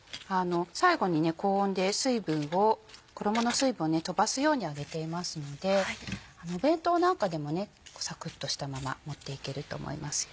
最後に高温で水分を衣の水分を飛ばすように揚げていますのでお弁当なんかでもねサクっとしたまま持っていけると思いますよ。